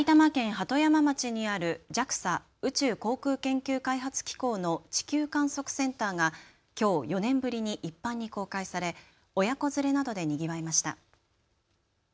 鳩山町にあるＪＡＸＡ・宇宙航空研究開発機構の地球観測センターがきょう４年ぶりに一般に公開され親子連れなどでにぎわいました。